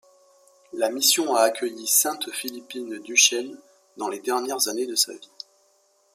La mission a accueilli Sainte Philippine Duchesne dans les dernières années de sa vie.